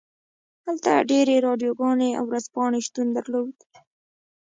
هلته ډیرې راډیوګانې او ورځپاڼې شتون درلود